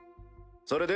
それで？